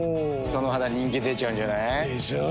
その肌人気出ちゃうんじゃない？でしょう。